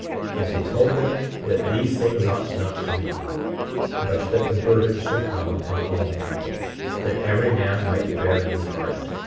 29:34 And he told them that these things ought not to be; but that the burden should come upon all the people, that every man might bear his part.